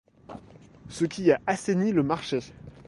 Ce qui a assaini le marché.